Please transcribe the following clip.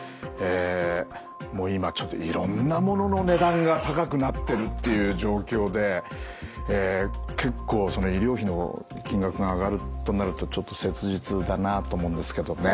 もう今ちょっといろんな物の値段が高くなってるっていう状況で結構医療費の金額が上がるとなるとちょっと切実だなと思うんですけどね。